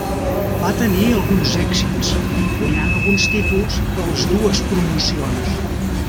Va tenir alguns èxits guanyant alguns títols de les dues promocions.